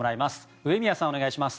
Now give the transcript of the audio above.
上宮さん、お願いします。